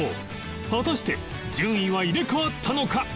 果たして順位は入れ替わったのか？